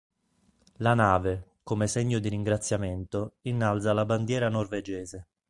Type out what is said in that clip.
La nave, come segno di ringraziamento, innalza la bandiera norvegese.